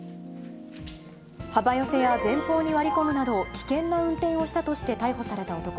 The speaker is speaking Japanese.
幅寄せや前方に割り込むなど、危険な運転をしたとして逮捕された男。